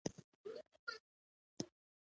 بادرنګ د فزیکي کمزورۍ مخه نیسي.